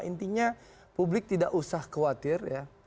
intinya publik tidak usah khawatir ya